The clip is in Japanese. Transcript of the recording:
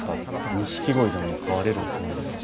ニシキゴイでも飼われるおつもりですか？